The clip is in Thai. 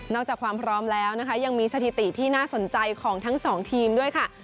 จากความพร้อมแล้วนะคะยังมีสถิติที่น่าสนใจของทั้งสองทีมด้วยค่ะ